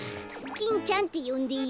キンちゃんってよんでいい？